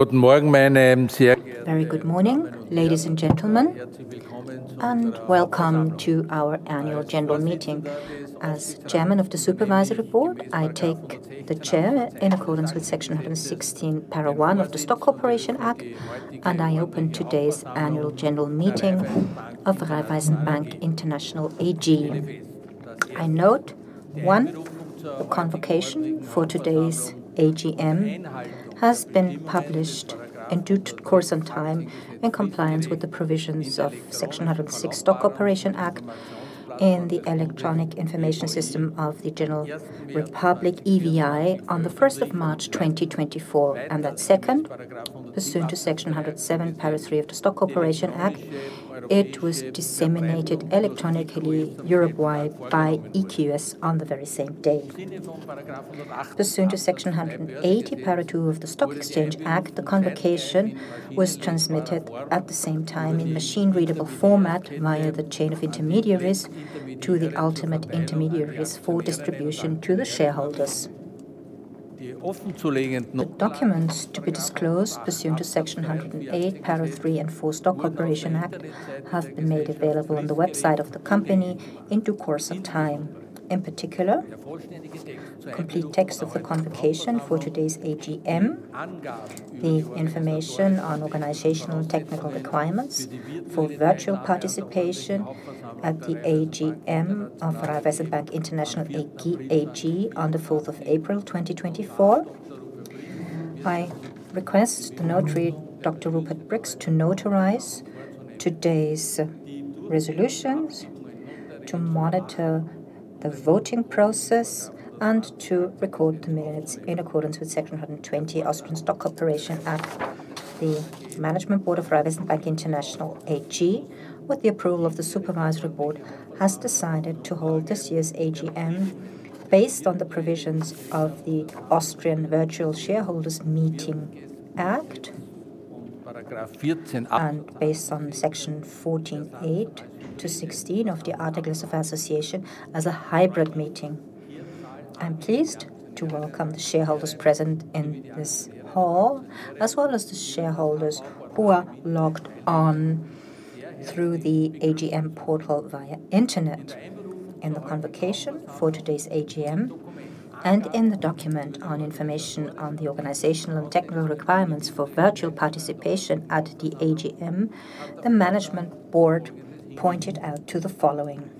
Good morning, my name is Erwin. Very good morning, ladies and gentlemen, and welcome to our annual general meeting. As chairman of the Supervisory Board, I take the chair in accordance with Section 116, para. 1 of the Stock Corporation Act, and I open today's annual general meeting of Raiffeisen Bank International AG. I note, one, the convocation for today's AGM has been published in due course and time, in compliance with the provisions of Section 106, Stock Corporation Act, in the electronic information system of the Republic, EVI, on the first of March, 2024. And that second, pursuant to Section 107, para. 3 of the Stock Corporation Act, it was disseminated electronically Europe-wide by EQS on the very same day. Pursuant to Section 180, para. 2 of the Stock Exchange Act, the convocation was transmitted at the same time in machine-readable format via the chain of intermediaries to the ultimate intermediaries for distribution to the shareholders. The documents to be disclosed pursuant to Section 108, para. 3 and 4, Stock Corporation Act, have been made available on the website of the company in due course of time. In particular, the complete text of the convocation for today's AGM, the information on organizational and technical requirements for virtual participation at the AGM of Raiffeisen Bank International AG, AG on the 4th of April, 2024. I request the notary, Dr. Rupert Brix, to notarize today's resolutions, to monitor the voting process, and to record the minutes in accordance with Section 120, Austrian Stock Corporation Act. The management board of Raiffeisen Bank International AG, with the approval of the Supervisory Board, has decided to hold this year's AGM based on the provisions of the Austrian Virtual Shareholders Meeting Act and based on Section 14 (8) to 16 of the Articles of Association as a hybrid meeting. I'm pleased to welcome the shareholders present in this hall, as well as the shareholders who are logged on through the AGM portal via internet. In the convocation for today's AGM and in the document on information on the organizational and technical requirements for virtual participation at the AGM, the management board pointed out to the following: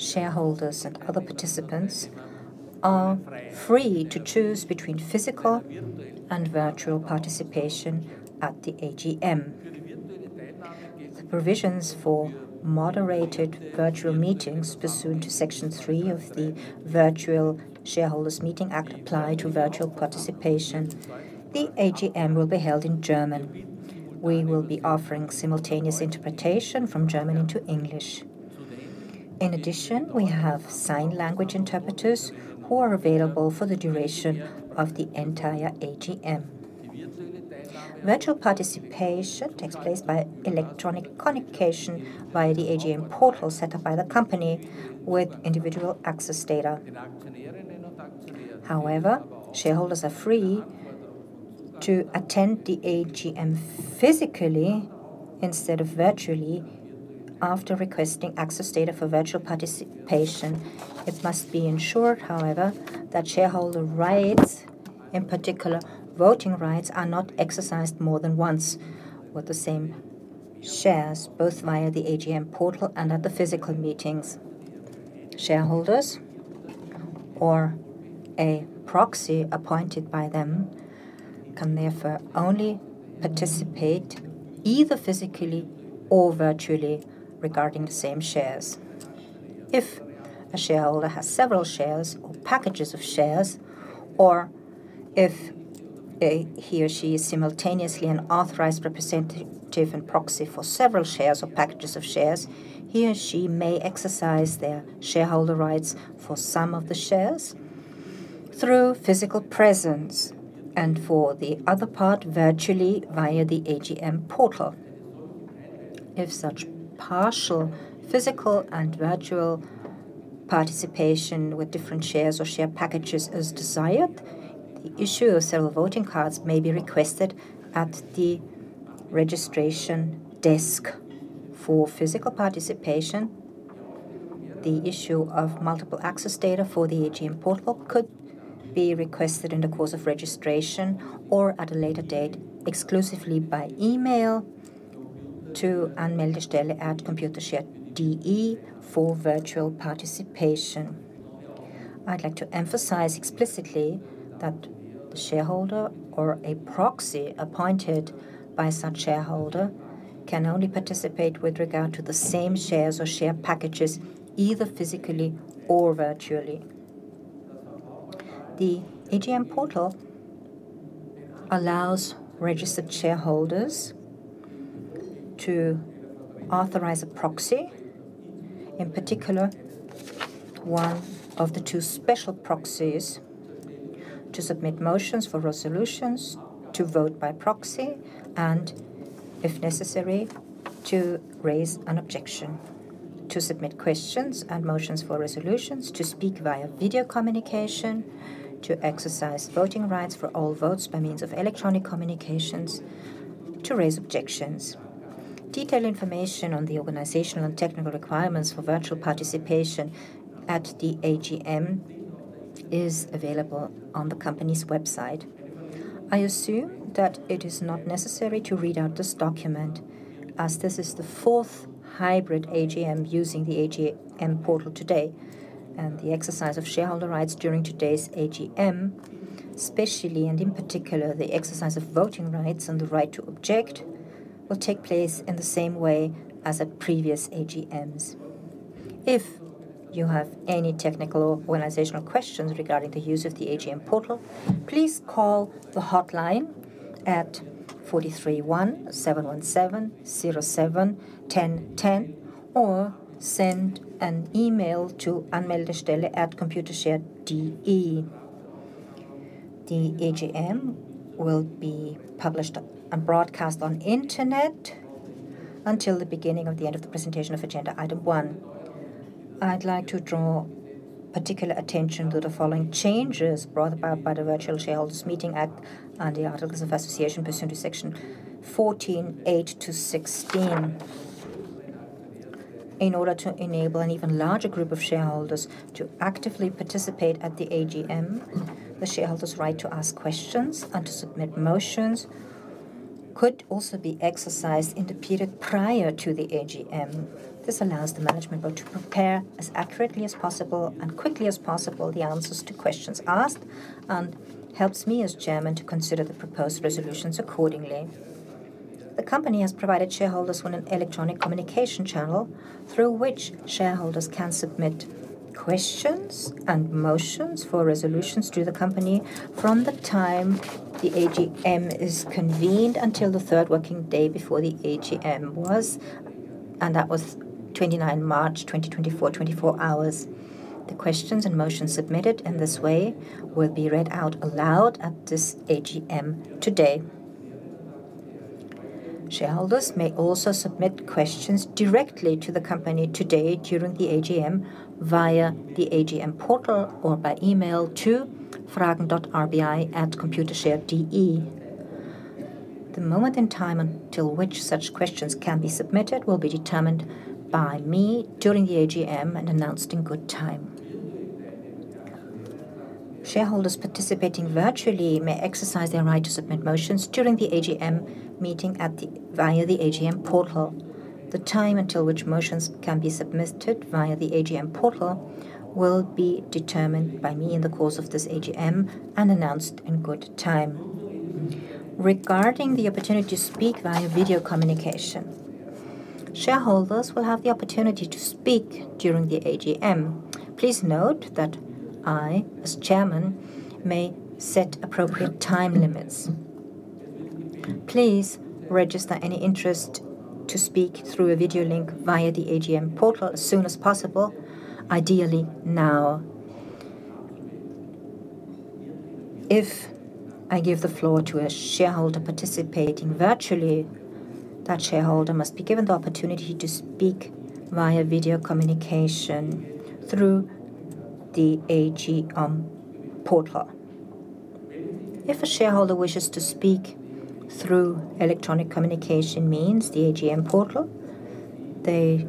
shareholders and other participants are free to choose between physical and virtual participation at the AGM. The AGM will be held in German. We will be offering simultaneous interpretation from German into English. In addition, we have sign language interpreters who are available for the duration of the entire AGM. Virtual participation takes place by electronic communication via the AGM portal set up by the company with individual access data. However, shareholders are free to attend the AGM physically instead of virtually, after requesting access data for virtual participation. It must be ensured, however, that shareholder rights, in particular, voting rights, are not exercised more than once with the same shares, both via the AGM portal and at the physical meetings. Shareholders or a proxy appointed by them can therefore only participate either physically or virtually regarding the same shares. If a shareholder has several shares or packages of shares, or if, he or she is simultaneously an authorized representative and proxy for several shares or packages of shares, he or she may exercise their shareholder rights for some of the shares through physical presence and for the other part, virtually via the AGM portal. If such partial physical and virtual participation with different shares or share packages is desired, the issue of several voting cards may be requested at the registration desk for physical participation. The issue of multiple access data for the AGM portal could be requested in the course of registration or at a later date, exclusively by email to anmeldestelle@computershare.de for virtual participation. I'd like to emphasize explicitly that the shareholder or a proxy appointed by such shareholder can only participate with regard to the same shares or share packages, either physically or virtually. The AGM portal allows registered shareholders to authorize a proxy, in particular, one of the two special proxies, to submit motions for resolutions, to vote by proxy, and if necessary, to raise an objection, to submit questions and motions for resolutions, to speak via video communication, to exercise voting rights for all votes by means of electronic communications, to raise objections. Detailed information on the organizational and technical requirements for virtual participation at the AGM is available on the company's website. I assume that it is not necessary to read out this document, as this is the fourth hybrid AGM using the AGM portal today, and the exercise of shareholder rights during today's AGM, especially and in particular, the exercise of voting rights and the right to object, will take place in the same way as at previous AGMs. If you have any technical or organizational questions regarding the use of the AGM portal, please call the hotline at +431717071010, or send an email to anmeldestelle@computershare.de. The AGM will be published and broadcast on internet until the beginning of the end of the presentation of agenda item one. I'd like to draw particular attention to the following changes brought about by the Virtual Shareholders Meeting Act, and the articles of association pursuant to Section 14 (8)-16. In order to enable an even larger group of shareholders to actively participate at the AGM, the shareholder's right to ask questions and to submit motions could also be exercised in the period prior to the AGM. This allows the management board to prepare as accurately as possible and quickly as possible the answers to questions asked, and helps me as chairman to consider the proposed resolutions accordingly. The company has provided shareholders with an electronic communication channel through which shareholders can submit questions and motions for resolutions to the company from the time the AGM is convened until the third working day before the AGM was, and that was 29 March 2024, 24 hours. The questions and motions submitted in this way will be read out aloud at this AGM today. Shareholders may also submit questions directly to the company today during the AGM via the AGM portal or by email to fragen.rbi@computershare.de. The moment in time until which such questions can be submitted will be determined by me during the AGM and announced in good time. Shareholders participating virtually may exercise their right to submit motions during the AGM meeting via the AGM portal. The time until which motions can be submitted via the AGM portal will be determined by me in the course of this AGM and announced in good time. Regarding the opportunity to speak via video communication, shareholders will have the opportunity to speak during the AGM. Please note that I, as chairman, may set appropriate time limits. Please register any interest to speak through a video link via the AGM portal as soon as possible, ideally now. If I give the floor to a shareholder participating virtually, that shareholder must be given the opportunity to speak via video communication through the AGM portal. If a shareholder wishes to speak through electronic communication means, the AGM portal, they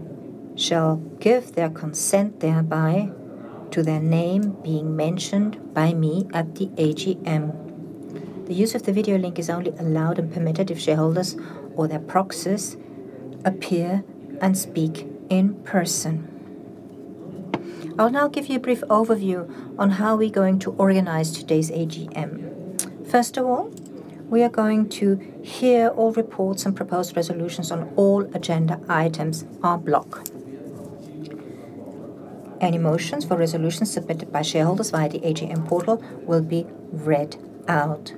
shall give their consent thereby to their name being mentioned by me at the AGM. The use of the video link is only allowed and permitted if shareholders or their proxies appear and speak in person. I'll now give you a brief overview on how we're going to organize today's AGM. First of all, we are going to hear all reports and proposed resolutions on all agenda items en bloc. Any motions for resolutions submitted by shareholders via the AGM portal will be read out.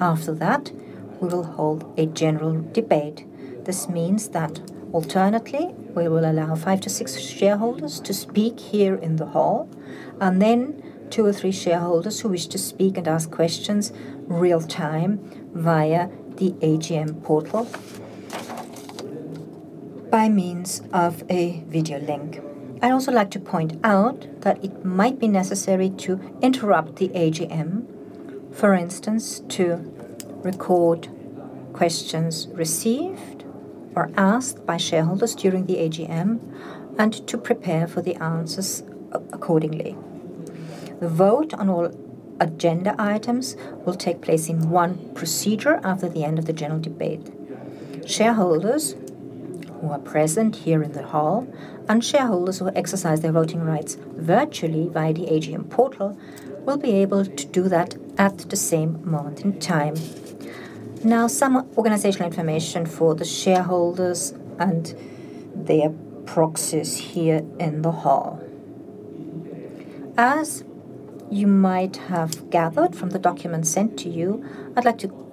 After that, we will hold a general debate. This means that alternately, we will allow 5-6 shareholders to speak here in the hall, and then 2 or 3 shareholders who wish to speak and ask questions real time via the AGM portal by means of a video link. I'd also like to point out that it might be necessary to interrupt the AGM, for instance, to record questions received or asked by shareholders during the AGM and to prepare for the answers accordingly. The vote on all agenda items will take place in one procedure after the end of the general debate. Shareholders who are present here in the hall, and shareholders who will exercise their voting rights virtually via the AGM portal, will be able to do that at the same moment in time. Now, some organizational information for the shareholders and their proxies here in the hall. As you might have gathered from the documents sent to you, I'd like to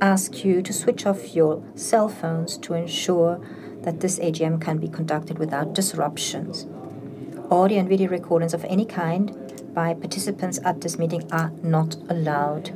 ask you to switch off your cell phones to ensure that this AGM can be conducted without disruptions. Audio and video recordings of any kind by participants at this meeting are not allowed.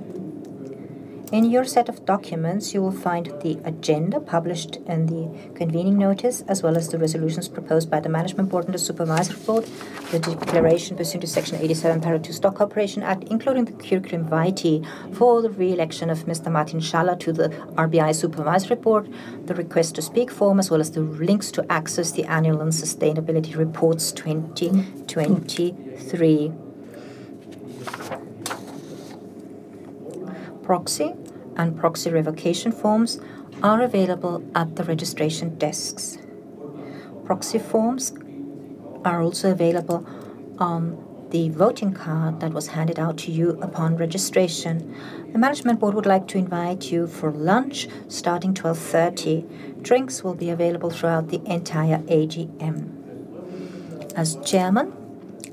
In your set of documents, you will find the agenda published in the convening notice, as well as the resolutions proposed by the management board and the supervisory board, the declaration pursuant to Section 87, paragraph 2, Stock Corporation Act, including the curriculum vitae for the re-election of Mr. Martin Schaller to the RBI Supervisory Board, the request to speak form, as well as the links to access the annual and sustainability reports 2023. Proxy and proxy revocation forms are available at the registration desks. Proxy forms are also available on the voting card that was handed out to you upon registration. The management board would like to invite you for lunch, starting 12:30 P.M. Drinks will be available throughout the entire AGM. As Chairman,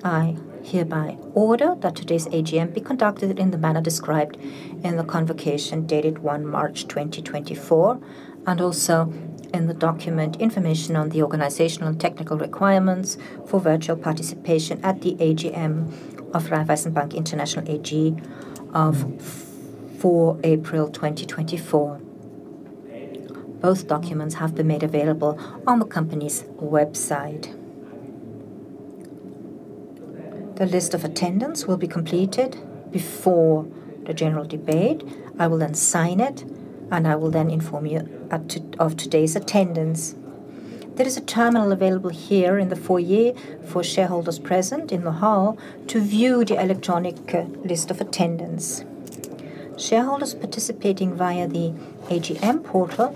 I hereby order that today's AGM be conducted in the manner described in the convocation dated 1 March 2024, and also in the document: Information on the Organizational and Technical Requirements for Virtual Participation at the AGM of Raiffeisen Bank International AG of 4 April 2024. Both documents have been made available on the company's website. The list of attendance will be completed before the general debate. I will then sign it, and I will then inform you as to today's attendance. There is a terminal available here in the foyer for shareholders present in the hall to view the electronic list of attendance. Shareholders participating via the AGM portal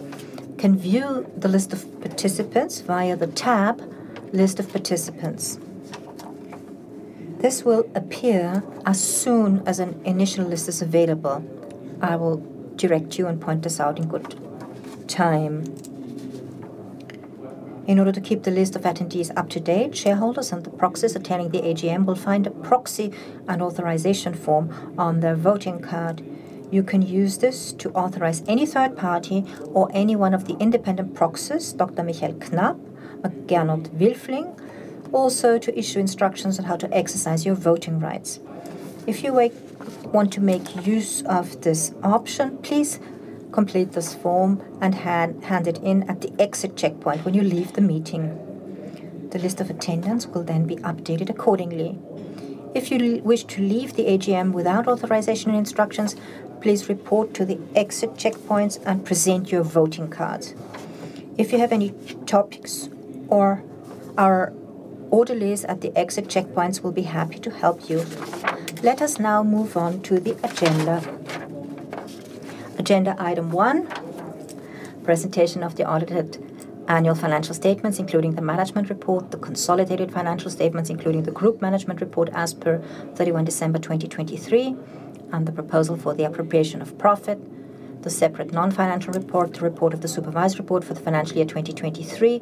can view the list of participants via the tab: List of Participants. This will appear as soon as an initial list is available. I will direct you and point this out in good time. In order to keep the list of attendees up to date, shareholders and the proxies attending the AGM will find a proxy and authorization form on their voting card. You can use this to authorize any third party or any one of the independent proxies, Dr. Michael Knapp and Gernot Wilfling, also to issue instructions on how to exercise your voting rights. If you want to make use of this option, please complete this form and hand it in at the exit checkpoint when you leave the meeting. The list of attendance will then be updated accordingly. If you wish to leave the AGM without authorization instructions, please report to the exit checkpoints and present your voting cards. If you have any topics or... Our orderlies at the exit checkpoints will be happy to help you. Let us now move on to the agenda. Agenda item one: Presentation of the audited annual financial statements, including the management report, the consolidated financial statements, including the group management report as per 31 December 2023, and the proposal for the appropriation of profit, the separate non-financial report, the report of the supervisory board for the financial year 2023,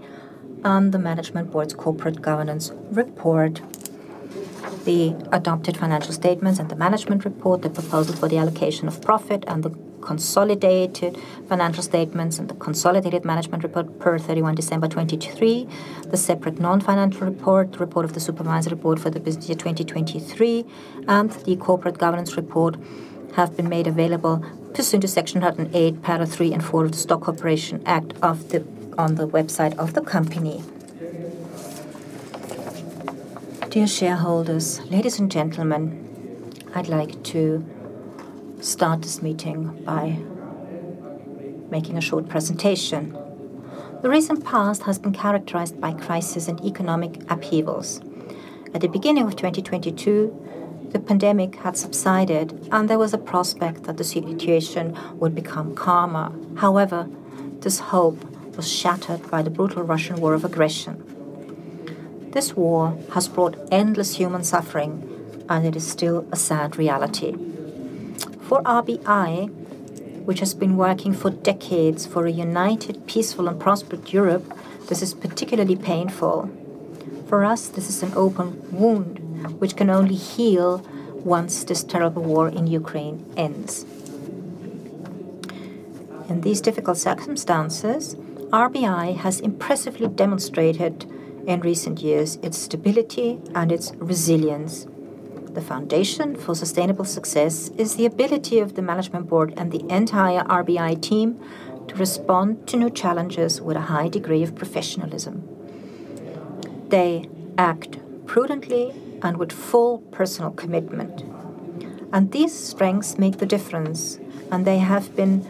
and the management board's corporate governance report. The adopted financial statements and the management report, the proposal for the allocation of profit and the consolidated financial statements, and the consolidated management report per 31 December 2023, the separate non-financial report, the report of the supervisory board for the business year 2023, and the corporate governance report have been made available pursuant to Section 108, paragraph 3 and 4 of the Stock Corporation Act on the website of the company. Dear shareholders, ladies and gentlemen, I'd like to start this meeting by making a short presentation. The recent past has been characterized by crisis and economic upheavals. At the beginning of 2022, the pandemic had subsided, and there was a prospect that the situation would become calmer. However, this hope was shattered by the brutal Russian war of aggression. This war has brought endless human suffering, and it is still a sad reality. For RBI, which has been working for decades for a united, peaceful, and prosperous Europe, this is particularly painful. For us, this is an open wound which can only heal once this terrible war in Ukraine ends. In these difficult circumstances, RBI has impressively demonstrated in recent years its stability and its resilience. The foundation for sustainable success is the ability of the management board and the entire RBI team to respond to new challenges with a high degree of professionalism. They act prudently and with full personal commitment, and these strengths make the difference, and they have been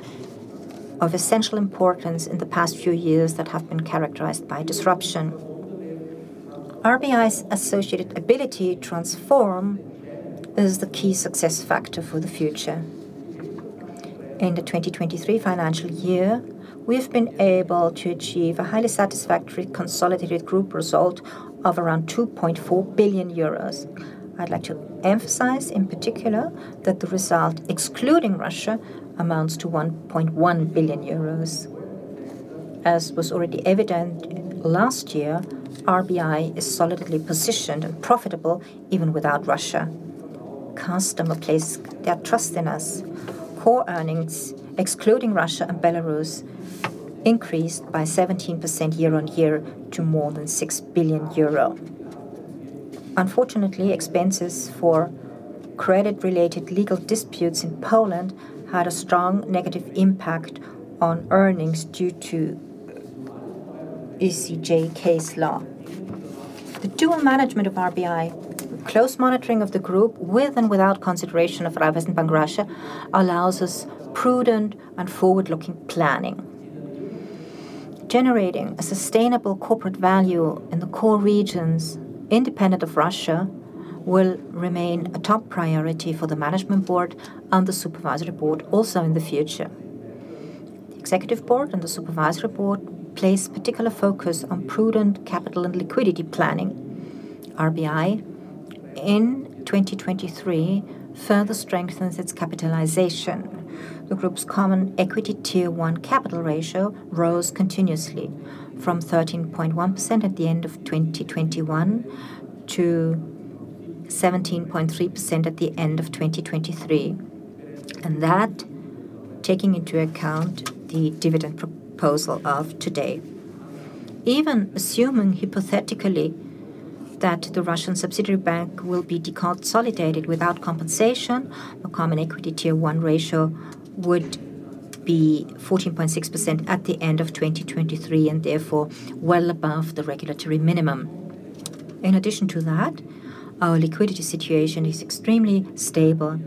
of essential importance in the past few years that have been characterized by disruption. RBI's associated ability to transform is the key success factor for the future. In the 2023 financial year, we've been able to achieve a highly satisfactory consolidated group result of around 2.4 billion euros. I'd like to emphasize, in particular, that the result, excluding Russia, amounts to 1.1 billion euros. As was already evident last year, RBI is solidly positioned and profitable even without Russia. Customers place their trust in us. Core earnings, excluding Russia and Belarus, increased by 17% year-on-year to more than 6 billion euro.... Unfortunately, expenses for credit-related legal disputes in Poland had a strong negative impact on earnings due to ECJ case law. The dual management of RBI, close monitoring of the group with and without consideration of Raiffeisen Bank Russia, allows us prudent and forward-looking planning. Generating a sustainable corporate value in the core regions, independent of Russia, will remain a top priority for the management board and the supervisory board also in the future. The executive board and the supervisory board place particular focus on prudent capital and liquidity planning. RBI, in 2023, further strengthens its capitalization. The group's Common Equity Tier 1 capital ratio rose continuously from 13.1% at the end of 2021-17.3% at the end of 2023, and that taking into account the dividend proposal of today. Even assuming hypothetically that the Russian subsidiary bank will be deconsolidated without compensation, the Common Equity Tier 1 ratio would be 14.6% at the end of 2023, and therefore, well above the regulatory minimum. In addition to that, our liquidity situation is extremely stable.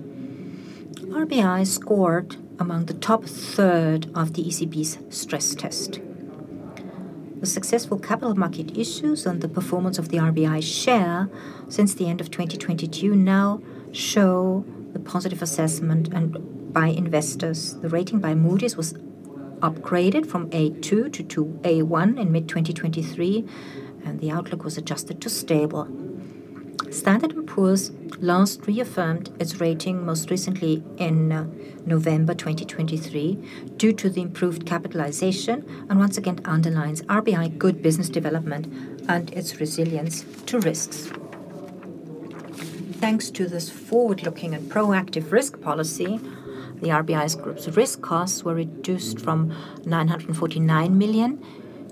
RBI scored among the top third of the ECB's stress test. The successful capital market issues and the performance of the RBI share since the end of 2022 now show the positive assessment by investors. The rating by Moody's was upgraded from A2-A1 in mid-2023, and the outlook was adjusted to stable. Standard & Poor's last reaffirmed its rating most recently in November 2023, due to the improved capitalization and once again underlines RBI good business development and its resilience to risks. Thanks to this forward-looking and proactive risk policy, the RBI's group's risk costs were reduced from 949 million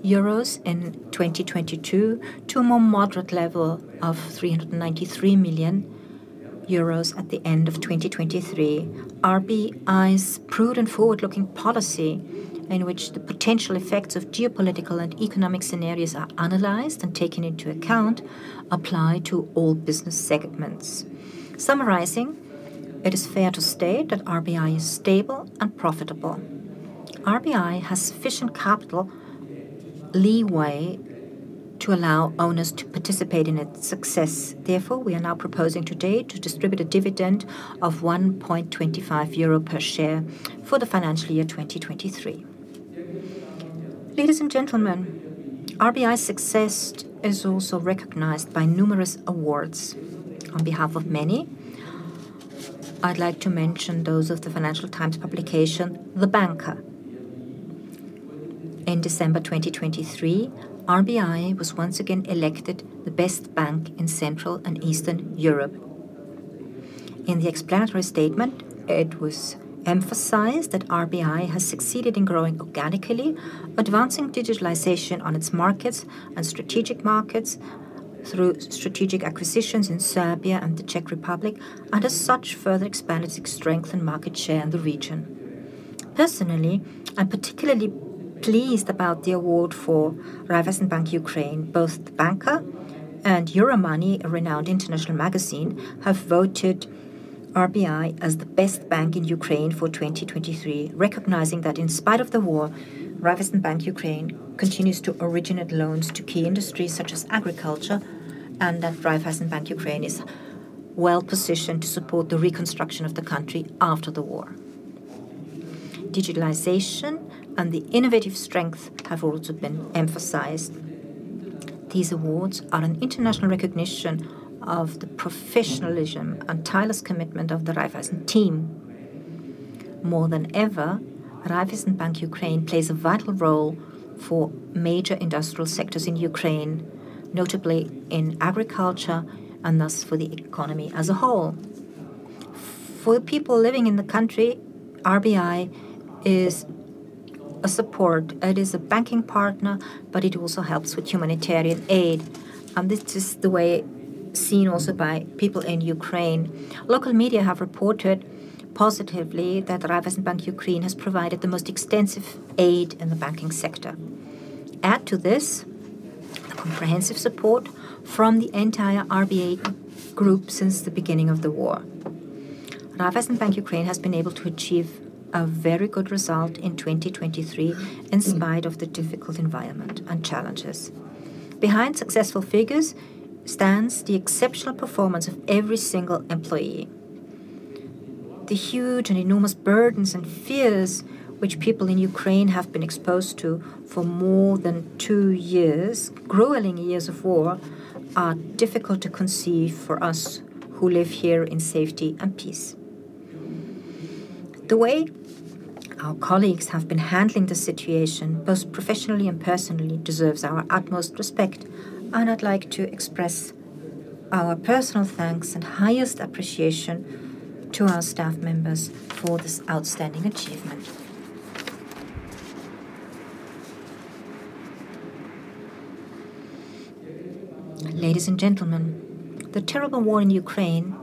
euros in 2022 to a more moderate level of 393 million euros at the end of 2023. RBI's prudent forward-looking policy, in which the potential effects of geopolitical and economic scenarios are analyzed and taken into account, apply to all business segments. Summarizing, it is fair to state that RBI is stable and profitable. RBI has sufficient capital leeway to allow owners to participate in its success. Therefore, we are now proposing today to distribute a dividend of 1.25 euro per share for the financial year 2023. Ladies and gentlemen, RBI's success is also recognized by numerous awards. On behalf of many, I'd like to mention those of the Financial Times publication, The Banker. In December 2023, RBI was once again elected the best bank in Central and Eastern Europe. In the explanatory statement, it was emphasized that RBI has succeeded in growing organically, advancing digitalization on its markets and strategic markets through strategic acquisitions in Serbia and the Czech Republic, and as such, further expanded its strength and market share in the region. Personally, I'm particularly pleased about the award for Raiffeisen Bank Ukraine. Both The Banker and Euromoney, a renowned international magazine, have voted RBI as the best bank in Ukraine for 2023, recognizing that in spite of the war, Raiffeisen Bank Ukraine continues to originate loans to key industries such as agriculture, and that Raiffeisen Bank Ukraine is well-positioned to support the reconstruction of the country after the war. Digitalization and the innovative strength have also been emphasized. These awards are an international recognition of the professionalism and tireless commitment of the Raiffeisen team. More than ever, Raiffeisen Bank Ukraine plays a vital role for major industrial sectors in Ukraine, notably in agriculture, and thus for the economy as a whole. For people living in the country, RBI is a support. It is a banking partner, but it also helps with humanitarian aid, and this is the way seen also by people in Ukraine. Local media have reported positively that Raiffeisen Bank Ukraine has provided the most extensive aid in the banking sector. Add to this, the comprehensive support from the entire RBI group since the beginning of the war. Raiffeisen Bank Ukraine has been able to achieve a very good result in 2023, in spite of the difficult environment and challenges. Behind successful figures stands the exceptional performance of every single employee. The huge and enormous burdens and fears which people in Ukraine have been exposed to for more than two years, grueling years of war, are difficult to conceive for us who live here in safety and peace. The way our colleagues have been handling the situation, both professionally and personally, deserves our utmost respect, and I'd like to express our personal thanks and highest appreciation to our staff members for this outstanding achievement. Ladies and gentlemen, the terrible war in Ukraine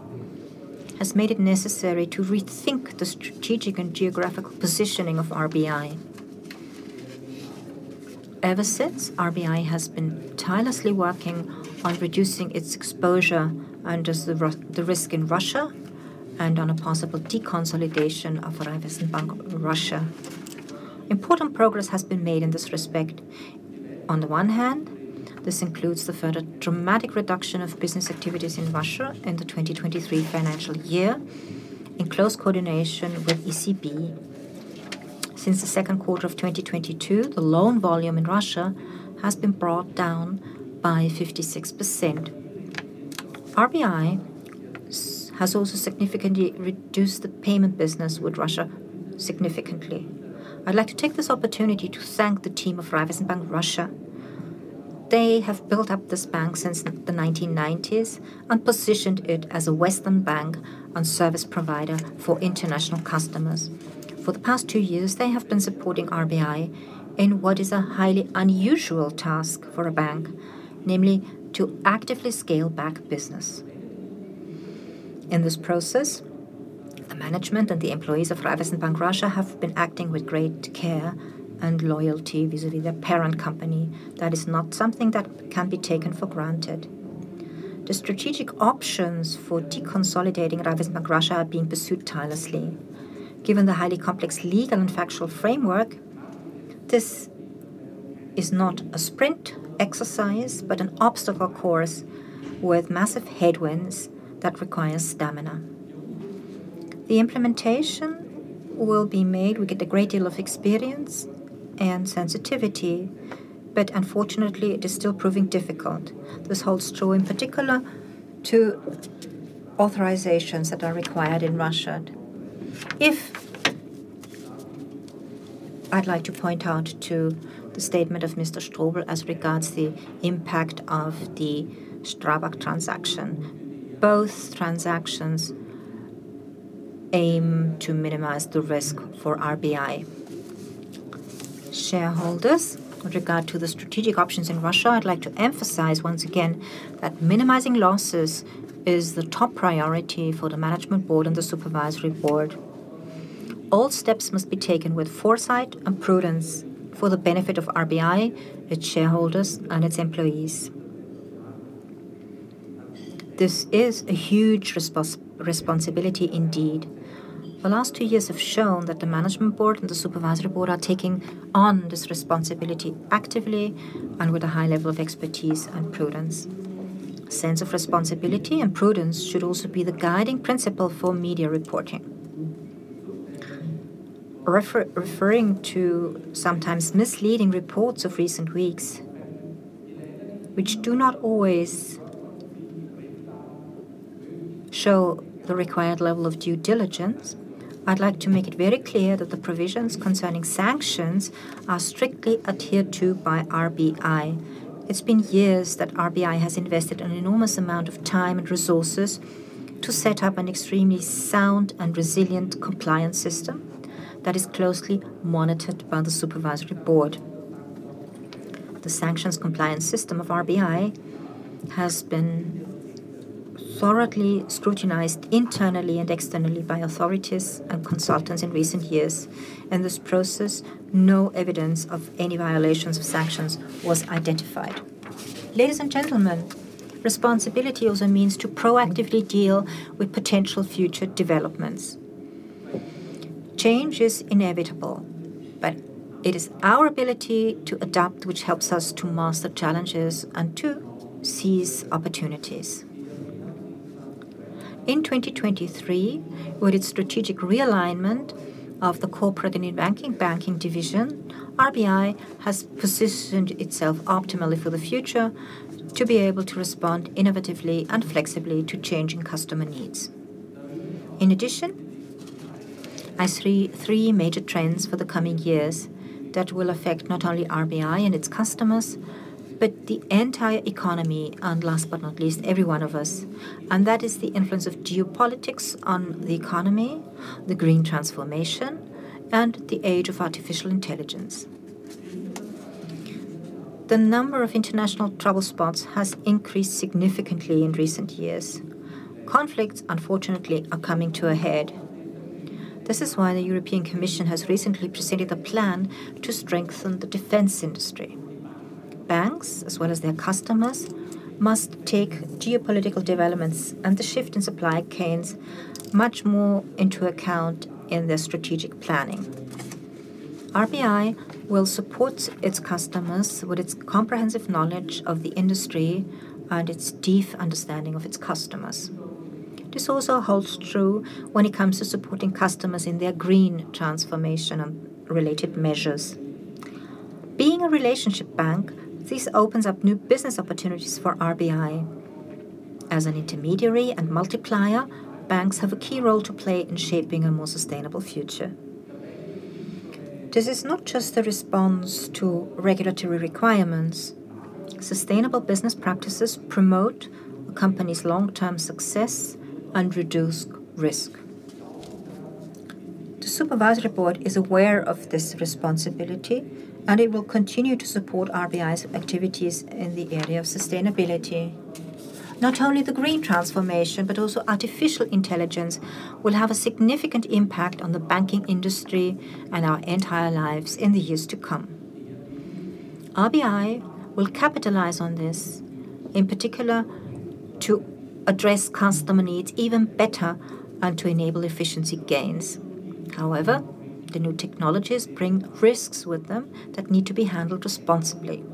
has made it necessary to rethink the strategic and geographical positioning of RBI. Ever since, RBI has been tirelessly working on reducing its exposure and the risk in Russia and on a possible deconsolidation of Raiffeisen Bank Russia. Important progress has been made in this respect. On the one hand, this includes the further dramatic reduction of business activities in Russia in the 2023 financial year, in close coordination with ECB. Since the second quarter of 2022, the loan volume in Russia has been brought down by 56%. RBI has also significantly reduced the payment business with Russia significantly. I'd like to take this opportunity to thank the team of Raiffeisen Bank Russia. They have built up this bank since the 1990s and positioned it as a Western bank and service provider for international customers. For the past two years, they have been supporting RBI in what is a highly unusual task for a bank, namely, to actively scale back business. In this process, the management and the employees of Raiffeisen Bank Russia have been acting with great care and loyalty, vis-à-vis their parent company. That is not something that can be taken for granted. The strategic options for deconsolidating Raiffeisen Bank Russia are being pursued tirelessly. Given the highly complex legal and factual framework, this is not a sprint exercise, but an obstacle course with massive headwinds that require stamina. The implementation will be made with a great deal of experience and sensitivity, but unfortunately, it is still proving difficult. This holds true, in particular, to authorizations that are required in Russia. I'd like to point out to the statement of Mr. Strobl as regards the impact of the Strabag transaction. Both transactions aim to minimize the risk for RBI shareholders. With regard to the strategic options in Russia, I'd like to emphasize once again that minimizing losses is the top priority for the management board and the supervisory board. All steps must be taken with foresight and prudence for the benefit of RBI, its shareholders, and its employees. This is a huge responsibility indeed. The last two years have shown that the management board and the supervisory board are taking on this responsibility actively and with a high level of expertise and prudence. Sense of responsibility and prudence should also be the guiding principle for media reporting. Referring to sometimes misleading reports of recent weeks, which do not always show the required level of due diligence, I'd like to make it very clear that the provisions concerning sanctions are strictly adhered to by RBI. It's been years that RBI has invested an enormous amount of time and resources to set up an extremely sound and resilient compliance system that is closely monitored by the supervisory board. The sanctions compliance system of RBI has been thoroughly scrutinized internally and externally by authorities and consultants in recent years. In this process, no evidence of any violations of sanctions was identified. Ladies and gentlemen, responsibility also means to proactively deal with potential future developments. Change is inevitable, but it is our ability to adapt, which helps us to master challenges and to seize opportunities. In 2023, with its strategic realignment of the corporate and banking, banking division, RBI has positioned itself optimally for the future to be able to respond innovatively and flexibly to changing customer needs. In addition, I see three major trends for the coming years that will affect not only RBI and its customers, but the entire economy, and last but not least, every one of us, and that is the influence of geopolitics on the economy, the green transformation, and the age of artificial intelligence. The number of international trouble spots has increased significantly in recent years. Conflicts, unfortunately, are coming to a head. This is why the European Commission has recently presented a plan to strengthen the defense industry. Banks, as well as their customers, must take geopolitical developments and the shift in supply chains much more into account in their strategic planning. RBI will support its customers with its comprehensive knowledge of the industry and its deep understanding of its customers. This also holds true when it comes to supporting customers in their green transformation and related measures. Being a relationship bank, this opens up new business opportunities for RBI. As an intermediary and multiplier, banks have a key role to play in shaping a more sustainable future. This is not just a response to regulatory requirements. Sustainable business practices promote a company's long-term success and reduce risk.... The Supervisory Board is aware of this responsibility, and it will continue to support RBI's activities in the area of sustainability. Not only the green transformation, but also artificial intelligence will have a significant impact on the banking industry and our entire lives in the years to come. RBI will capitalize on this, in particular, to address customer needs even better and to enable efficiency gains. However, the new technologies bring risks with them that need to be handled responsibly.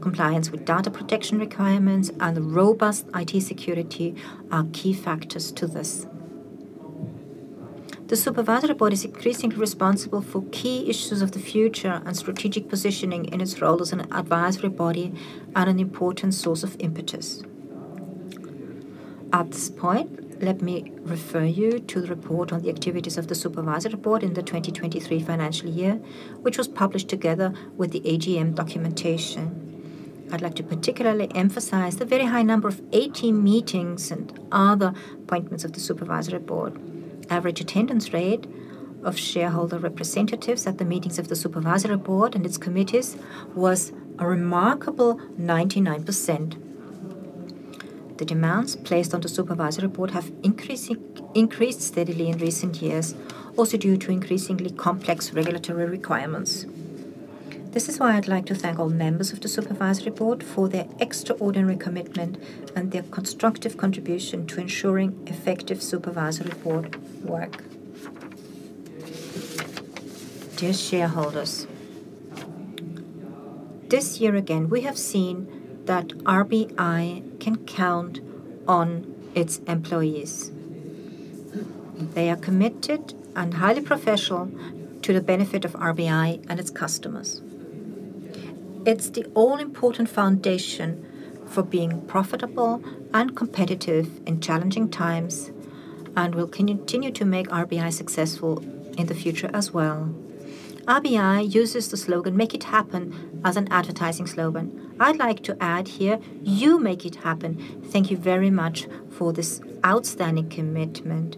Compliance with data protection requirements and robust IT security are key factors to this. The Supervisory Board is increasingly responsible for key issues of the future, and strategic positioning in its role as an advisory body are an important source of impetus. At this point, let me refer you to the report on the activities of the Supervisory Board in the 2023 financial year, which was published together with the AGM documentation. I'd like to particularly emphasize the very high number of 80 meetings and other appointments of the Supervisory Board. Average attendance rate of shareholder representatives at the meetings of the Supervisory Board and its committees was a remarkable 99%. The demands placed on the Supervisory Board have increased steadily in recent years, also due to increasingly complex regulatory requirements. This is why I'd like to thank all members of the Supervisory Board for their extraordinary commitment and their constructive contribution to ensuring effective Supervisory Board work. Dear shareholders, this year again, we have seen that RBI can count on its employees. They are committed and highly professional to the benefit of RBI and its customers. It's the all-important foundation for being profitable and competitive in challenging times, and will continue to make RBI successful in the future as well. RBI uses the slogan, "Make it happen," as an advertising slogan. I'd like to add here, you make it happen. Thank you very much for this outstanding commitment.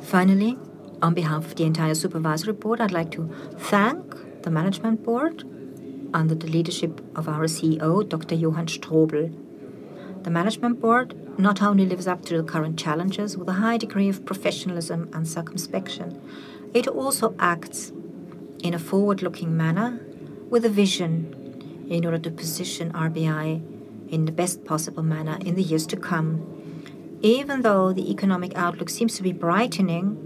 Finally, on behalf of the entire Supervisory Board, I'd like to thank the Management Board under the leadership of our CEO, Dr. Johann Strobl. The Management Board not only lives up to the current challenges with a high degree of professionalism and circumspection, it also acts in a forward-looking manner with a vision in order to position RBI in the best possible manner in the years to come. Even though the economic outlook seems to be brightening,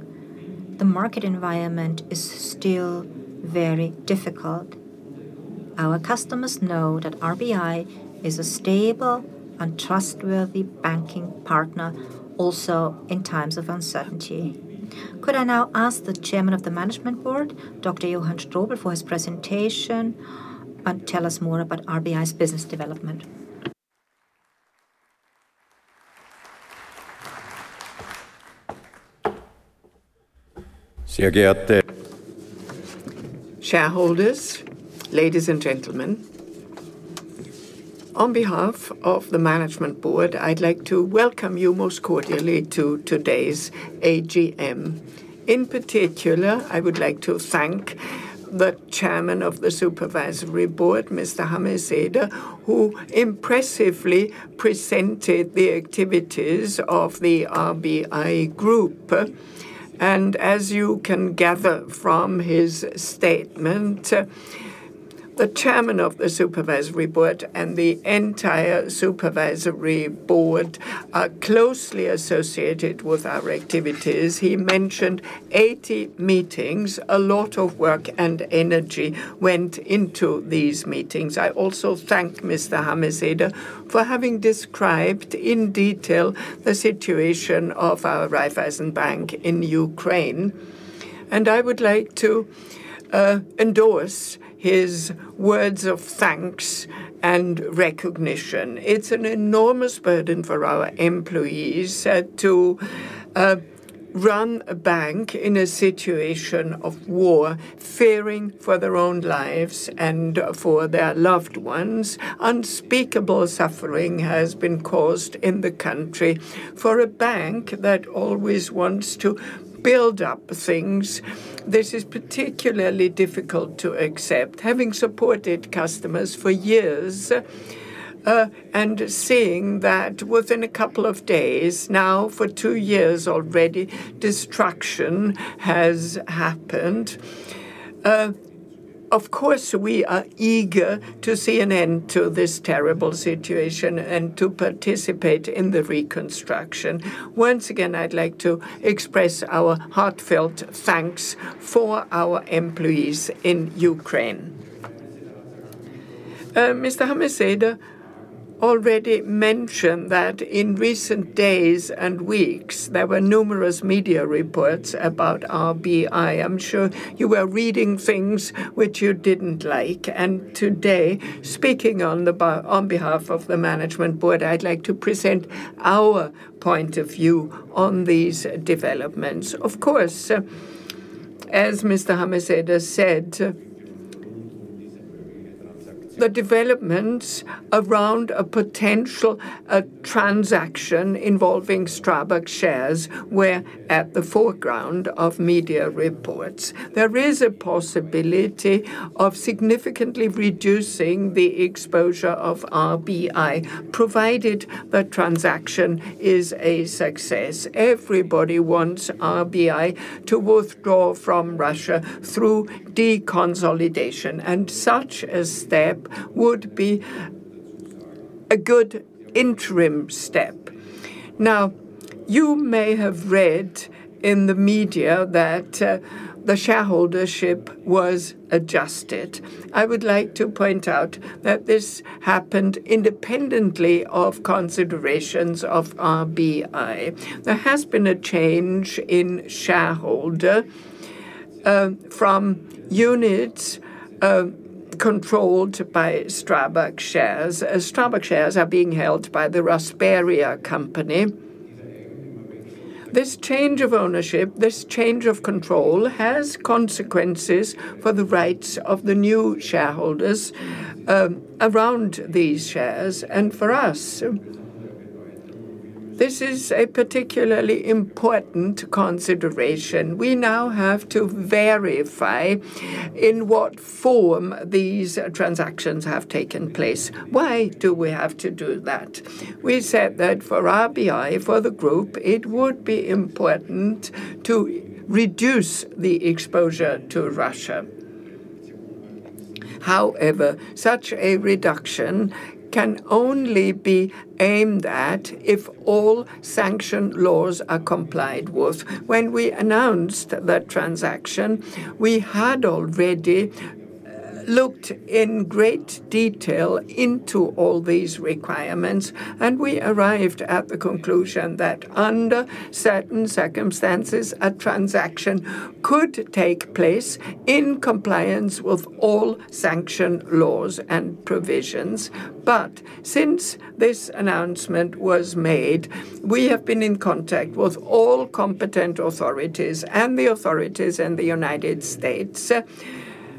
the market environment is still very difficult. Our customers know that RBI is a stable and trustworthy banking partner, also in times of uncertainty. Could I now ask the Chairman of the Management Board, Dr. Johann Strobl, for his presentation and tell us more about RBI's business development? Shareholders, ladies and gentlemen, on behalf of the Management Board, I'd like to welcome you most cordially to today's AGM. In particular, I would like to thank the chairman of the Supervisory Board, Mr. Hameseder, who impressively presented the activities of the RBI group. As you can gather from his statement, the chairman of the Supervisory Board and the entire Supervisory Board are closely associated with our activities. He mentioned 80 meetings. A lot of work and energy went into these meetings. I also thank Mr. Hameseder for having described, in detail, the situation of our Raiffeisen Bank in Ukraine, and I would like to endorse his words of thanks and recognition. It's an enormous burden for our employees to run a bank in a situation of war, fearing for their own lives and for their loved ones. Unspeakable suffering has been caused in the country. For a bank that always wants to build up things, this is particularly difficult to accept, having supported customers for years, and seeing that within a couple of days, now for two years already, destruction has happened. Of course, we are eager to see an end to this terrible situation and to participate in the reconstruction. Once again, I'd like to express our heartfelt thanks for our employees in Ukraine. Mr. Hameseder already mentioned that in recent days and weeks, there were numerous media reports about RBI. I'm sure you were reading things which you didn't like, and today, speaking on behalf of the Management Board, I'd like to present our point of view on these developments. Of course, as Mr. Hameseder said, the developments around a potential transaction involving Strabag shares were at the foreground of media reports. There is a possibility of significantly reducing the exposure of RBI, provided the transaction is a success. Everybody wants RBI to withdraw from Russia through deconsolidation, and such a step would be a good interim step. Now, you may have read in the media that the shareholdership was adjusted. I would like to point out that this happened independently of considerations of RBI. There has been a change in shareholder from units controlled by Strabag shares, as Strabag shares are being held by the Rasperia company. This change of ownership, this change of control, has consequences for the rights of the new shareholders around these shares and for us. This is a particularly important consideration. We now have to verify in what form these transactions have taken place. Why do we have to do that? We said that for RBI, for the group, it would be important to reduce the exposure to Russia. However, such a reduction can only be aimed at if all sanction laws are complied with. When we announced that transaction, we had already looked in great detail into all these requirements, and we arrived at the conclusion that under certain circumstances, a transaction could take place in compliance with all sanction laws and provisions. But since this announcement was made, we have been in contact with all competent authorities and the authorities in the United States.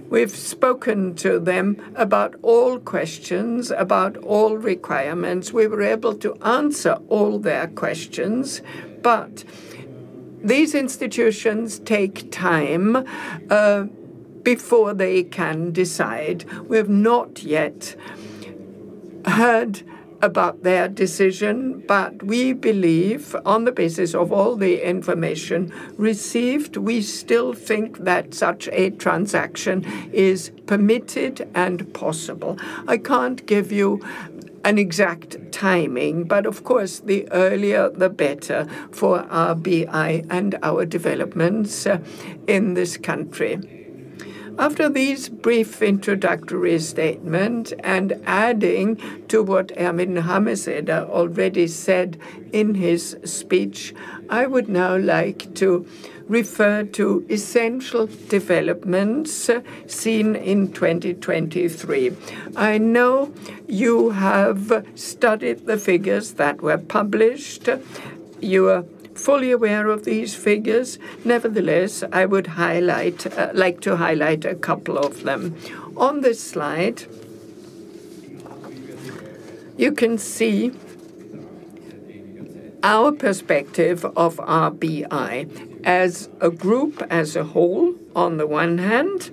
We've spoken to them about all questions, about all requirements. We were able to answer all their questions, but these institutions take time before they can decide. We have not yet heard about their decision, but we believe, on the basis of all the information received, we still think that such a transaction is permitted and possible. I can't give you an exact timing, but of course, the earlier, the better for RBI and our developments in this country. After this brief introductory statement, and adding to what Erwin Hameseder already said in his speech, I would now like to refer to essential developments seen in 2023. I know you have studied the figures that were published. You are fully aware of these figures. Nevertheless, I would highlight, like to highlight a couple of them. On this slide, you can see our perspective of RBI as a group, as a whole, on the one hand,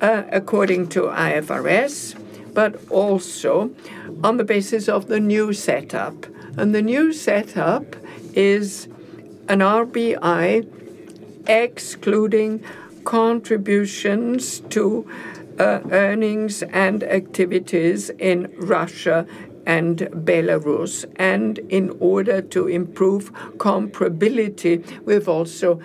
according to IFRS, but also on the basis of the new setup, and the new setup is an RBI excluding contributions to, earnings and activities in Russia and Belarus, and in order to improve comparability, we've also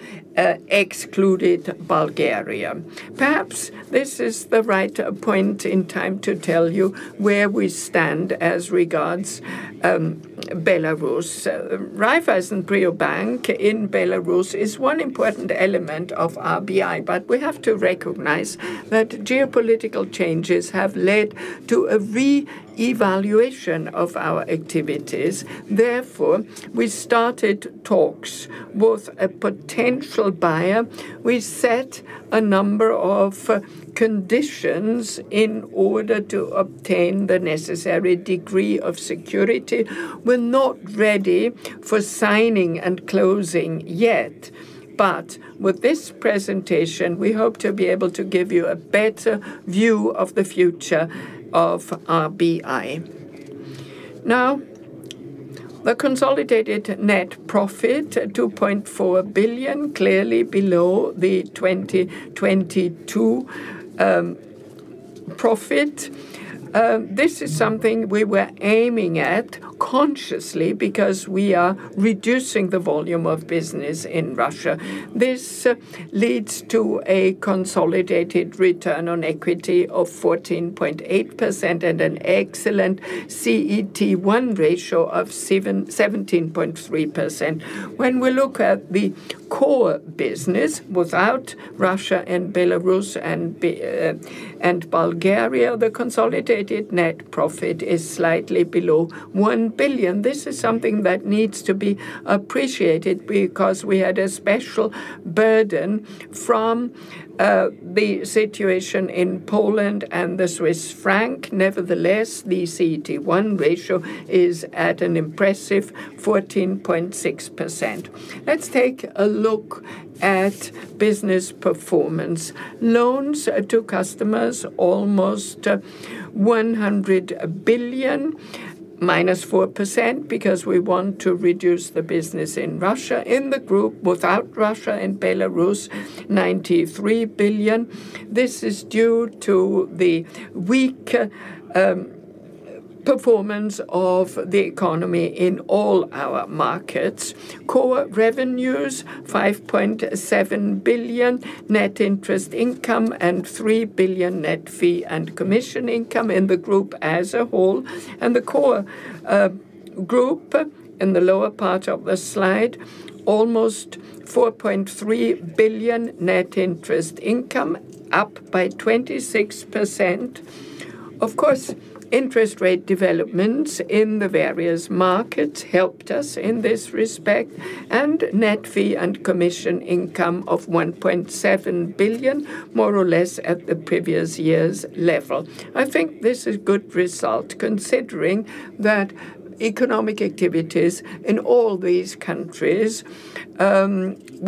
excluded Bulgaria. Perhaps this is the right point in time to tell you where we stand as regards Belarus. Raiffeisen Priorbank in Belarus is one important element of RBI, but we have to recognize that geopolitical changes have led to a re-evaluation of our activities. Therefore, we started talks with a potential buyer. We set a number of conditions in order to obtain the necessary degree of security. We're not ready for signing and closing yet, but with this presentation, we hope to be able to give you a better view of the future of RBI. Now, the consolidated net profit, 2.4 billion, clearly below the 2022 profit. This is something we were aiming at consciously, because we are reducing the volume of business in Russia. This leads to a consolidated return on equity of 14.8% and an excellent CET1 ratio of 17.3%. When we look at the core business, without Russia, and Belarus, and Bulgaria, the consolidated net profit is slightly below 1 billion. This is something that needs to be appreciated because we had a special burden from the situation in Poland and the Swiss franc. Nevertheless, the CET1 ratio is at an impressive 14.6%. Let's take a look at business performance. Loans to customers, almost 100 billion, -4%, because we want to reduce the business in Russia. In the group, without Russia and Belarus, 93 billion. This is due to the weak performance of the economy in all our markets. Core revenues, 5.7 billion, net interest income, and 3 billion net fee and commission income in the group as a whole. The core group, in the lower part of the slide, almost 4.3 billion net interest income, up by 26%. Of course, interest rate developments in the various markets helped us in this respect, and net fee and commission income of 1.7 billion, more or less at the previous year's level. I think this is good result, considering that economic activities in all these countries,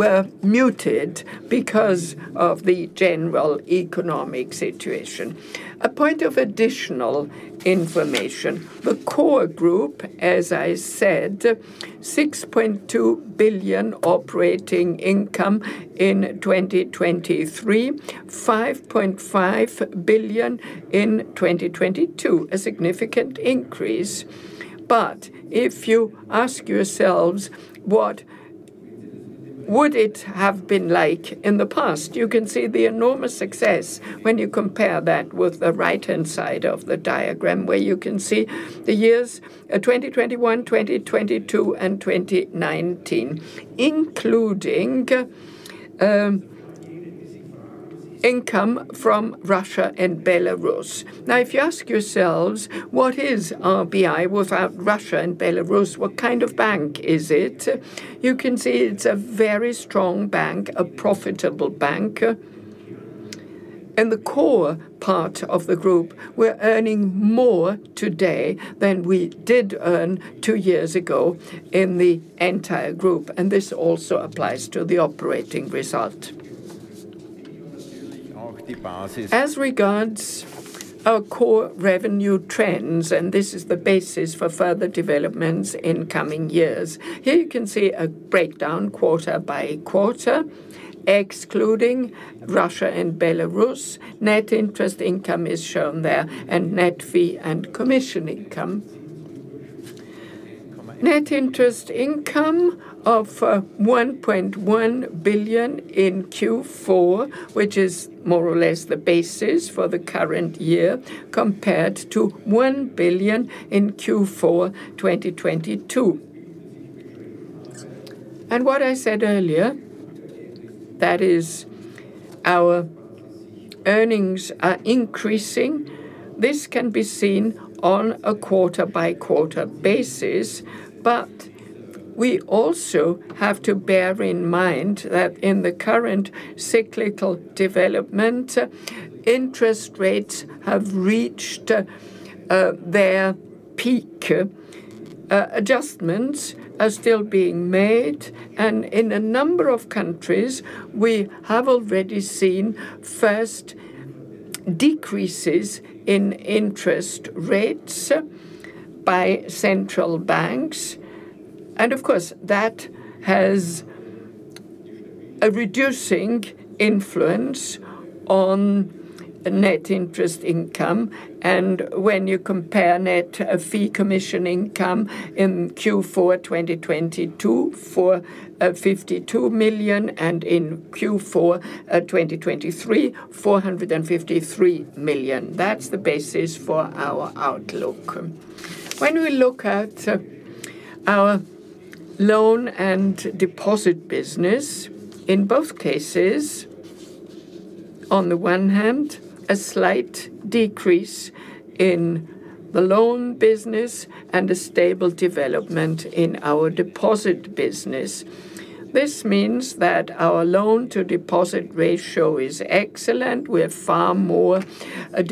were muted because of the general economic situation. A point of additional information, the core group, as I said, 6.2 billion operating income in 2023, 5.5 billion in 2022, a significant increase. But if you ask yourselves: What would it have been like in the past? You can see the enormous success when you compare that with the right-hand side of the diagram, where you can see the years, 2021, 2022, and 2019, including, income from Russia and Belarus. Now, if you ask yourselves: What is RBI without Russia and Belarus? What kind of bank is it? You can see it's a very strong bank, a profitable bank. In the core part of the group, we're earning more today than we did earn two years ago in the entire group, and this also applies to the operating result. As regards our core revenue trends, and this is the basis for further developments in coming years, here you can see a breakdown, quarter-by-quarter, excluding Russia and Belarus. Net interest income is shown there, and net fee and commission income. Net interest income of 1.1 billion in Q4, which is more or less the basis for the current year, compared to 1 billion in Q4 2022. What I said earlier, that is our earnings are increasing. This can be seen on a quarter-by-quarter basis, but we also have to bear in mind that in the current cyclical development, interest rates have reached their peak. Adjustments are still being made, and in a number of countries, we have already seen first decreases in interest rates by central banks. And of course, that has a reducing influence on net interest income, and when you compare net fee commission income in Q4 2022, for 52 million, and in Q4 2023, 453 million. That's the basis for our outlook. When we look at our loan and deposit business, in both cases, on the one hand, a slight decrease in the loan business and a stable development in our deposit business. This means that our loan-to-deposit ratio is excellent. We have far more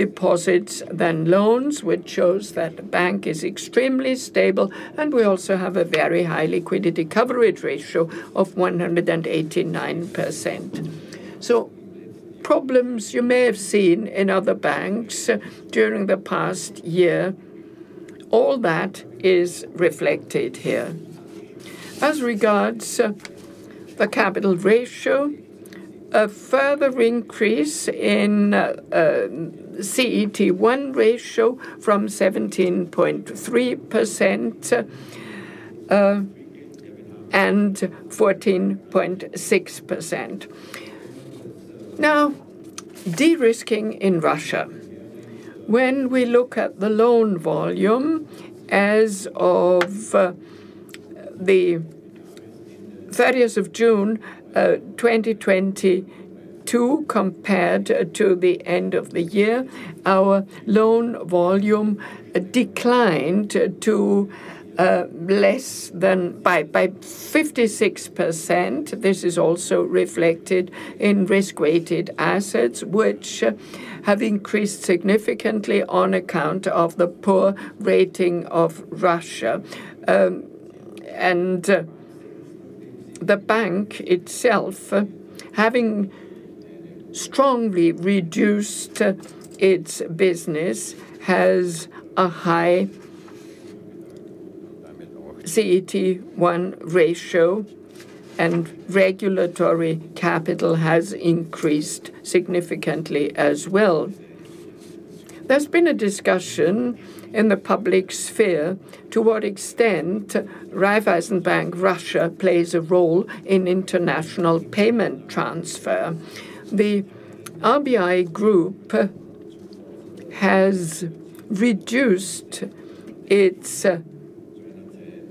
deposits than loans, which shows that the bank is extremely stable, and we also have a very high liquidity coverage ratio of 189%. Problems you may have seen in other banks during the past year, all that is reflected here. As regards the capital ratio, a further increase in CET1 ratio from 17.3% and 14.6%. Now, de-risking in Russia. When we look at the loan volume as of the 30th of June 2022 compared to the end of the year, our loan volume declined to less than by 56%. This is also reflected in risk-weighted assets, which have increased significantly on account of the poor rating of Russia. And the bank itself, having strongly reduced its business, has a high CET1 ratio, and regulatory capital has increased significantly as well. There's been a discussion in the public sphere to what extent Raiffeisen Bank Russia plays a role in international payment transfer. The RBI group has reduced its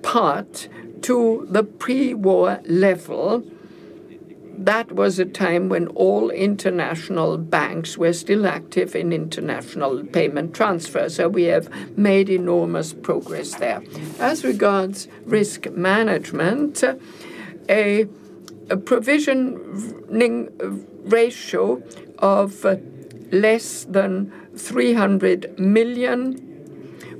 part to the pre-war level. That was a time when all international banks were still active in international payment transfer, so we have made enormous progress there. As regards risk management, a provisioning ratio of less than 300 million.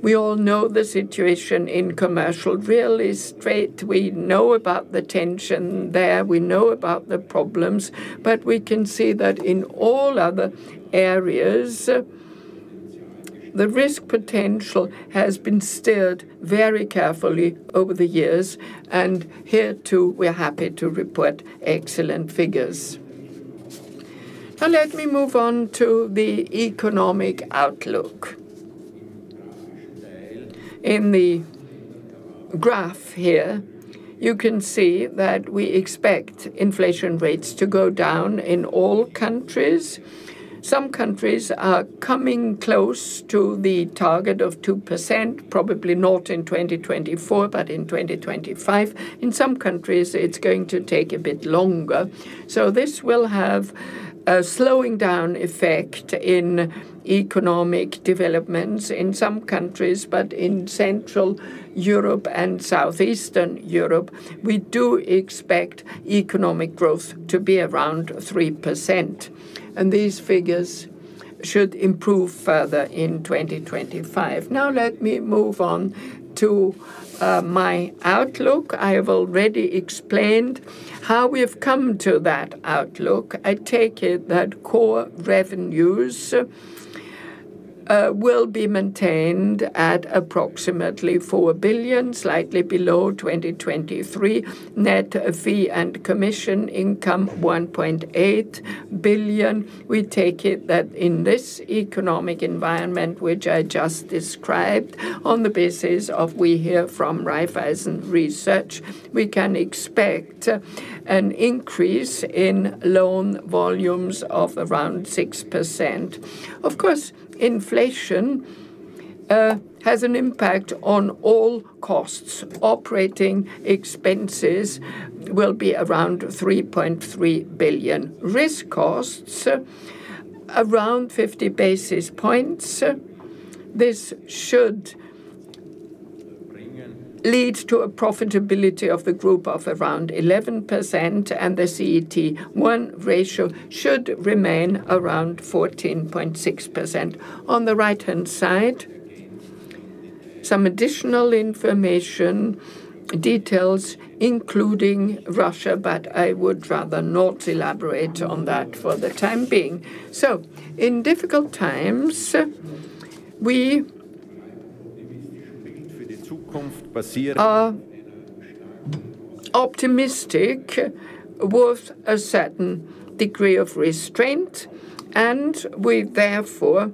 We all know the situation in commercial real estate. We know about the tension there, we know about the problems, but we can see that in all other areas, the risk potential has been steered very carefully over the years, and here, too, we are happy to report excellent figures. Now, let me move on to the economic outlook. In the graph here, you can see that we expect inflation rates to go down in all countries. Some countries are coming close to the target of 2%, probably not in 2024, but in 2025. In some countries, it's going to take a bit longer. So this will have a slowing down effect in economic developments in some countries, but in Central Europe and Southeastern Europe, we do expect economic growth to be around 3%, and these figures should improve further in 2025. Now, let me move on to my outlook. I have already explained how we have come to that outlook. I take it that core revenues will be maintained at approximately 4 billion, slightly below 2023. Net fee and commission income, 1.8 billion. We take it that in this economic environment, which I just described, on the basis of we hear from Raiffeisen Research, we can expect an increase in loan volumes of around 6%. Of course, inflation has an impact on all costs. Operating expenses will be around 3.3 billion. Risk costs, around 50 basis points. This should lead to a profitability of the group of around 11%, and the CET1 ratio should remain around 14.6%. On the right-hand side, some additional information, details, including Russia, but I would rather not elaborate on that for the time being. So in difficult times, we are optimistic with a certain degree of restraint, and we therefore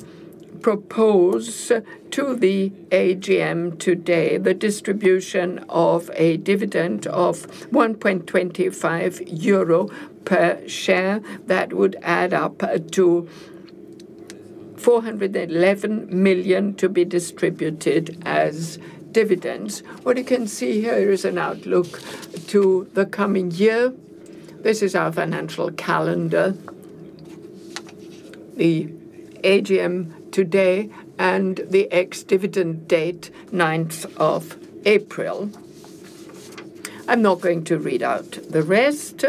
propose to the AGM today the distribution of a dividend of 1.25 euro per share. That would add up to 411 million to be distributed as dividends. What you can see here is an outlook to the coming year. This is our financial calendar, the AGM today, and the ex-dividend date, ninth of April. I'm not going to read out the rest,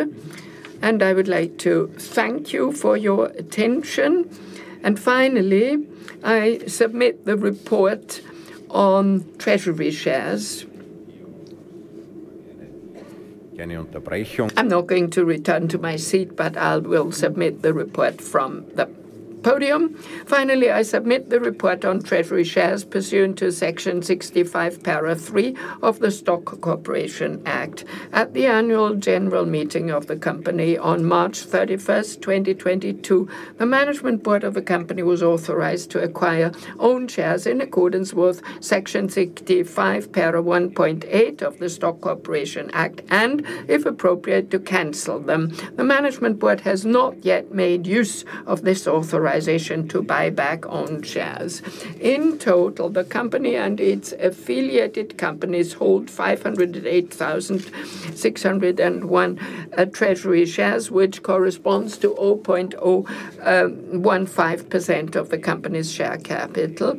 and I would like to thank you for your attention. Finally, I submit the report on treasury shares. I'm not going to return to my seat, but I will submit the report from the podium. Finally, I submit the report on treasury shares pursuant to Section 65, para. 3 of the Stock Corporation Act. At the annual general meeting of the company on March 31st, 2022, the management board of the company was authorized to acquire own shares in accordance with Section 65, para. 1 (8) of the Stock Corporation Act, and if appropriate, to cancel them. The management board has not yet made use of this authorization to buy back own shares. In total, the company and its affiliated companies hold 508,601 treasury shares, which corresponds to 0.015% of the company's share capital.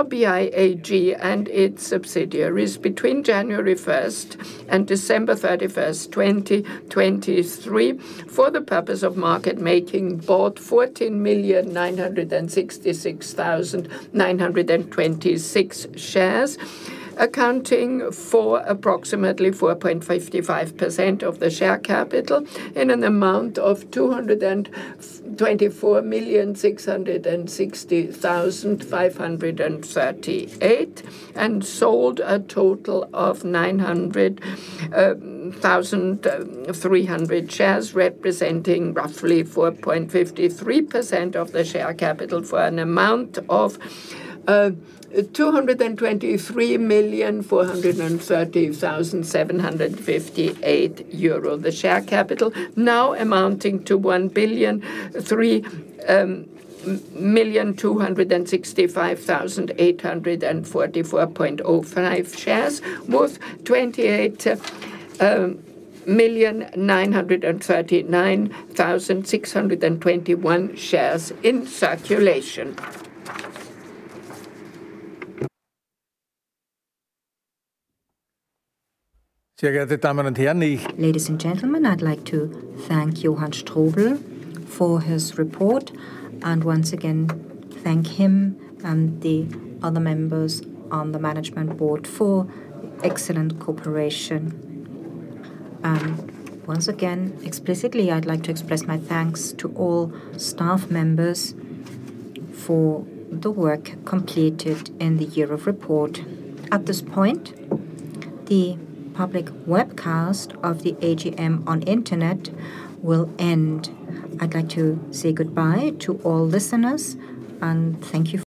RBI AG and its subsidiaries between January 1st and December 31st, 2023, for the purpose of market making, bought 14,966,926 shares, accounting for approximately 4.55% of the share capital in an amount of 224,660,538, and sold a total of 900,300 shares, representing roughly 4.53% of the share capital for an amount of 223,430,758 euro. The share capital now amounting to 1,003,265,844.05 shares, worth 28,939,621 shares in circulation. Ladies and gentlemen, I'd like to thank Johann Strobl for his report, and once again, thank him and the other members on the management board for excellent cooperation. Once again, explicitly, I'd like to express my thanks to all staff members for the work completed in the year of report. At this point, the public webcast of the AGM on internet will end. I'd like to say goodbye to all listeners and thank you for-